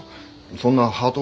そんなハート